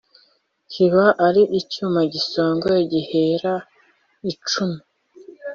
kiba ari icyuma gisongoye gihera icumu